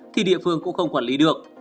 thì địa phương cũng không quản lý được